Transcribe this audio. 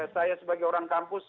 saya sebagai orang kampus